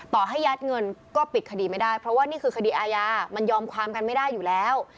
ให้ยัดเงินก็ปิดคดีไม่ได้เพราะว่านี่คือคดีอาญามันยอมความกันไม่ได้อยู่แล้ว